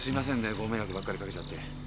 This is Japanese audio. ご迷惑ばっかりかけちゃって。